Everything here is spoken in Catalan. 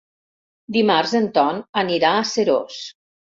Dimarts en Ton anirà a Seròs.